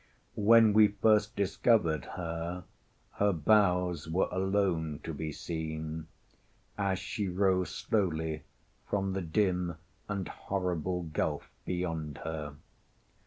When we first discovered her, her bows were alone to be seen, as she rose slowly from the dim and horrible gulf beyond her.